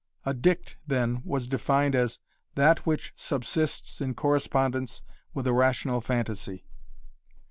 A dict, then, was defined as "that which subsists in correspondence with a rational phantasy."